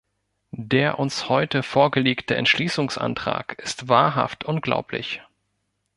Der uns heute vorgelegte Entschließungsantrag ist wahrhaft unglaublich.